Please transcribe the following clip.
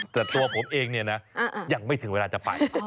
ตัวผมเองเนี่ยนะยังไม่ถึงเวลาจะไป